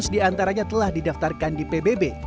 enam belas seratus diantaranya telah didaftarkan di pbb